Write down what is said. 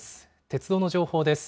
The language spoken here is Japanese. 鉄道の情報です。